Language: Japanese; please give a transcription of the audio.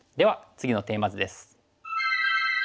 次のテーマ図です。